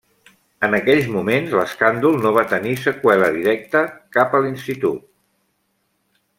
En aquells moments, l'escàndol no va tenir seqüela directa cap a l'Institut.